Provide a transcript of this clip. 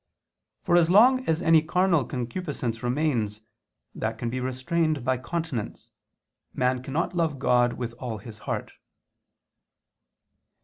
For as long as any carnal concupiscence remains, that can be restrained by continence, man cannot love God with all his heart.